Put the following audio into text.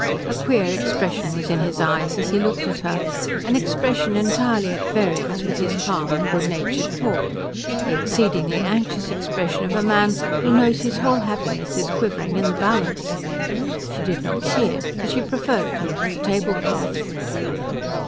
A queer expression was in his eyes as he looked at her, an expression entirely at variance with his calm and good natured talk, the exceedingly anxious expression of a man who knows his whole happiness is quivering in the balance. She did not see it, for she preferred to look at the table cloth.